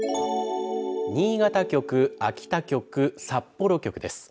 新潟局、秋田局、札幌局です。